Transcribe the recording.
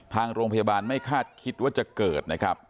ทางโรงพยาบาลไม่คาดคิดว่าจะเกิดนะครับ